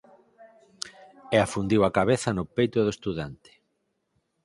E afundiu a cabeza no peito do estudante.